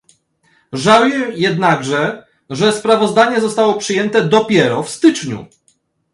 Żałuję jednakże, że sprawozdanie zostało przyjęte dopiero w styczniu